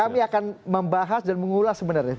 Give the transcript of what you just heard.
kami akan membahas dan mengulas sebenarnya